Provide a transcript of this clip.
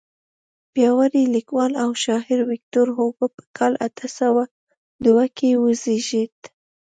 پیاوړی لیکوال او شاعر ویکتور هوګو په کال اته سوه دوه کې وزیږېد.